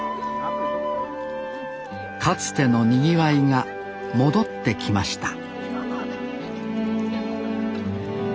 かつてのにぎわいが戻ってきました